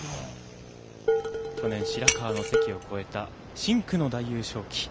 去年、白河の関を越えた深紅の大優勝旗。